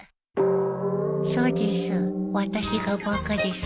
そうです。